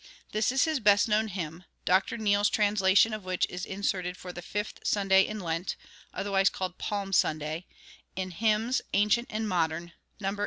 This is his best known hymn, Dr. Neale's translation of which is inserted for the Fifth Sunday in Lent, otherwise called Palm Sunday, in "Hymns Ancient and Modern" (No. 84).